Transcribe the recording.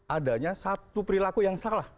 adanya satu perilaku yang salah